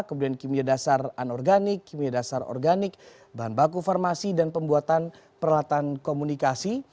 kemudian kimia dasar anorganik kimia dasar organik bahan baku farmasi dan pembuatan peralatan komunikasi